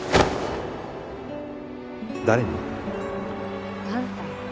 誰に？あんたよ。